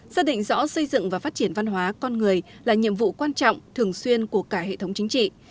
xác định rõ xây dựng và phát triển văn hóa con người là nhiệm vụ quan trọng thường xuyên của cả hệ thống chính trị